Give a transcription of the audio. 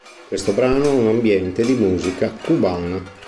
Questo brano, ha un ambiente di musica cubana.